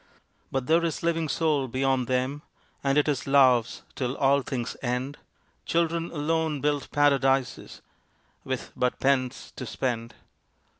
"But there is living soul beyond them, And it is love's till all things end?" Children alone build Paradises With but pence to spend.